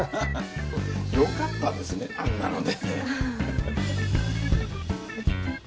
よかったですねあんなので。